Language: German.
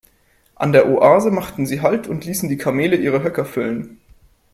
An der Oase machten sie Halt und ließen die Kamele ihre Höcker füllen.